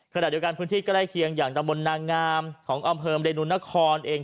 ขณะเดียวกันพื้นที่ใกล้เคียงอย่างตะบนนางงามของอำเภอเรนุนครเอง